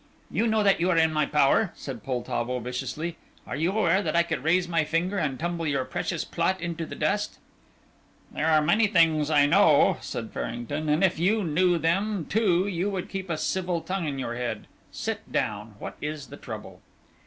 "You know that you are in my power," said Poltavo, viciously. "Are you aware that I could raise my finger and tumble your precious plot into the dust?" "There are many things I know," said Farrington, "and if you knew them too you would keep a civil tongue in your head. Sit down. What is the trouble?"